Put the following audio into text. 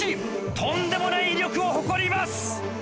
とんでもない威力を誇ります。